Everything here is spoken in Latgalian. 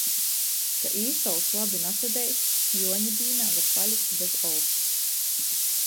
Ka īsols labi nasadeigst, Juoņa dīnā var palikt bez ols.